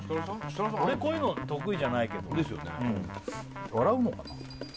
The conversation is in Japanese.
俺こういうの得意じゃないけどですよね笑うのかな？